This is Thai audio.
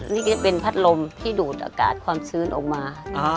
นี่ก็จะเป็นพัดลมที่ดูดอากาศความชื้นออกมา